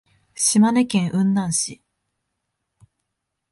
島根県雲南市